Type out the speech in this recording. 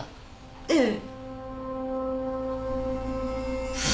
ええ。